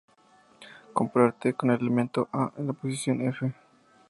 Comparar "t" con el elemento de "A" en la posición "F".